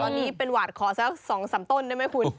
ตอนนี้เป็นหวาดขอสัก๒๓ต้นได้ไหมคุณ